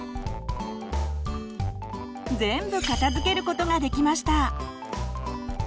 全部片づけることができました！